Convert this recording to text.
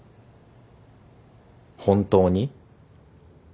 本当に？